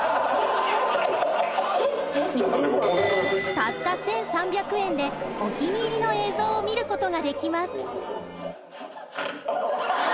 たった１３００円でお気に入りの映像を見ることができます。